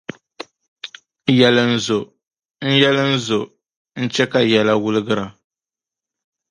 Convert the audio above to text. Yɛli n zo yɛli n zo dini n-chɛ ka yɛla wuligira.